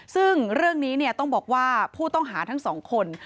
ซึ่งเรื่องนี้ต้องบอกว่าผู้ต้องหาทั้งสองคน